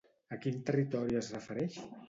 A quin territori es refereix?